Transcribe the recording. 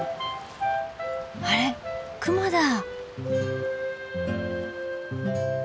あれクマだ！？